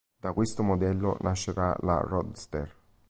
Da questo modello nascerà la Roadster.